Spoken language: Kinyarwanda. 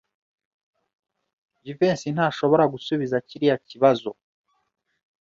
Jivency ntashobora gusubiza kiriya kibazo.